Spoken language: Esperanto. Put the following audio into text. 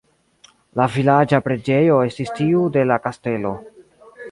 La vilaĝa preĝejo estis tiu de la kastelo.